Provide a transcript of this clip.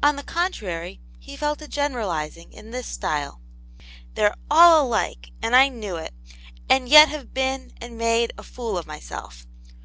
On the contrary, he fell to general izing in this style :" They're all alike, and I knew it, and yet have been and made a fool of myself.